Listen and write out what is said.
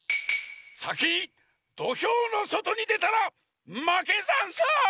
さきにどひょうのそとにでたらまけざんす！